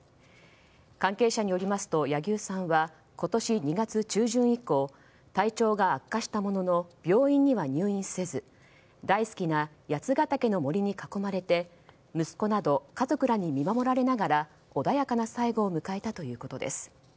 関係者によりますと柳生さんは今年２月中旬以降体調が悪化したものの病院には入院せず大好きな八ケ岳の森に囲まれて息子など家族らに見守られながら穏やかな最期を迎えたということです。